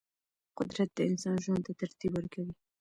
قدرت د انسان ژوند ته ترتیب ورکوي.